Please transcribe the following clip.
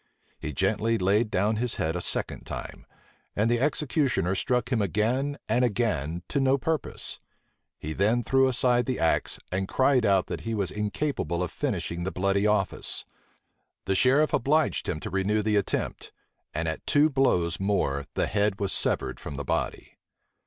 He gently laid down his head a second time; and the executioner struck him again and again to no purpose. He then threw aside the axe, and cried out that he was incapable of finishing the bloody office. The sheriff obliged him to renew the attempt; and at two blows more the head was severed from the body.